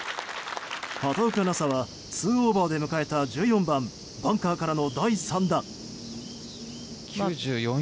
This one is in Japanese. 畑岡奈紗は２オーバーで迎えた１４番、バンカーからの第３打。